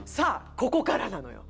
ここからなのよ